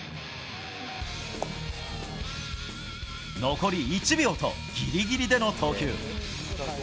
残り１秒とぎりぎりでの投球。